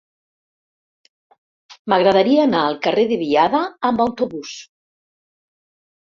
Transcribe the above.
M'agradaria anar al carrer de Biada amb autobús.